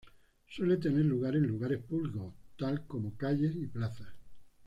Suele tener lugar en lugares públicos, tal como calles y plazas.